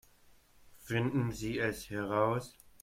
Finden Sie es heraus